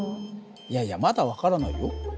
いやいやまだ分からないよ。